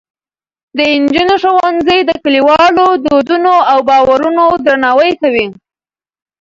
د نجونو ښوونځي د کلیوالو دودونو او باورونو درناوی کوي.